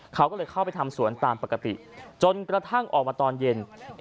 เขาก็เลยเข้าไปทำสวนตามปกติจนกระทั่งออกมาตอนเย็น